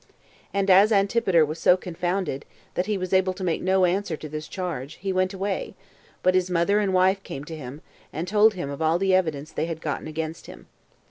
And as Antipater was so confounded, that he was able to make no answer to this charge, he went away; but his mother and wife came to him, and told him of all the evidence they had gotten against him.